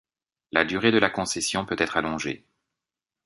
La durée de la concession peut être allongée.